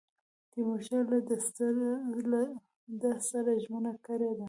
تیمورشاه له ده سره ژمنه کړې ده.